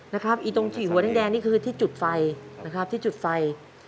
อีตรงฉี่หัวแดงนี่คือที่จุดไฟนะครับที่จุดไฟ